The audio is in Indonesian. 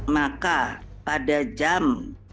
maka pada jam